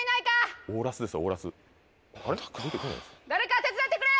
誰か手伝ってくれ！